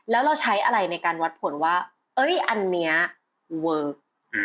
แล้วเราใช้อะไรในการวัดผลว่าอันนี้เวิร์ค